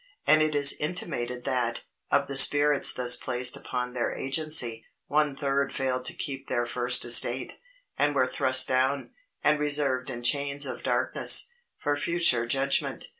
And it is intimated that, of the spirits thus placed upon their agency, one third failed to keep their first estate, and were thrust down, and reserved in chains of darkness, for future judgment.